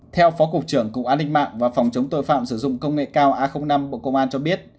theo phó cục trưởng cục an ninh mạng và phòng chống tội phạm sử dụng công nghệ cao a năm bộ công an cho biết